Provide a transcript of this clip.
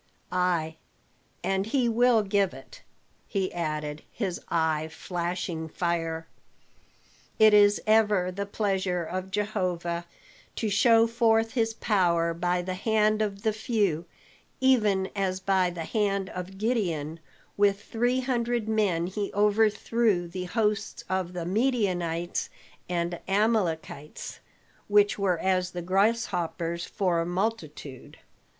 Ay, and he will give it," he added, his eye flashing fire. "It is ever the pleasure of Jehovah to show forth his power by the hand of the few, even as by the hand of Gideon with three hundred men he overthrew the hosts of the Midianites and Amalekites, which were as the grasshoppers for multitude."